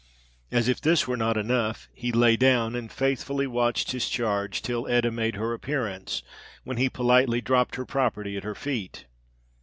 As if this were not enough, he lay down and faithfully watched his charge till Etta made her appearance, when he politely dropped her property at her feet.